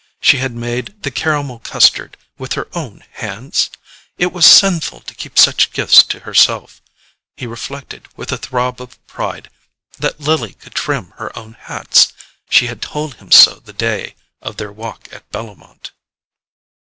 She had made the caramel custard with her own hands? It was sinful to keep such gifts to herself. He reflected with a throb of pride that Lily could trim her own hats—she had told him so the day of their walk at Bellomont.